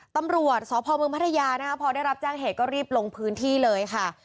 ตำรวจสพเมืองพัทยานะคะพอได้รับแจ้งเหตุก็รีบลงพื้นที่เลยค่ะ